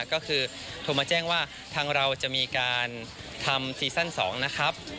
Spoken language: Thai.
ก็คือโทรมาแจ้งว่าทางเราจะมีการทำซีซั่น๒นะครับ